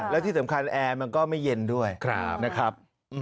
และที่สำคัญแอร์มันก็ไม่เย็นด้วยนะครับ